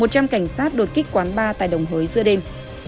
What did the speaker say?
một trăm linh cảnh sát đột kích quán bar tại đồng hới giữa đêm